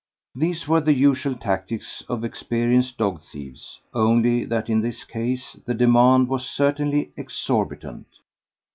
These were the usual tactics of experienced dog thieves, only that in this case the demand was certainly exorbitant.